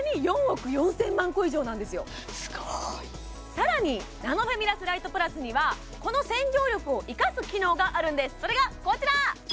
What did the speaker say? このすごいさらにナノフェミラスライトプラスにはこの洗浄力を生かす機能があるんですそれがこちら！